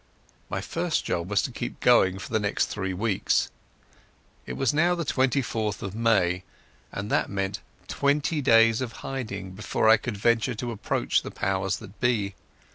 My first job was to keep going for the next three weeks. It was now the 24th day of May, and that meant twenty days of hiding before I could venture to approach the powers that be.